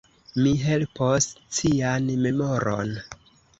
Mi helpos cian memoron.